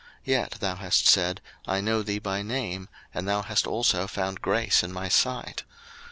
Yet thou hast said, I know thee by name, and thou hast also found grace in my sight.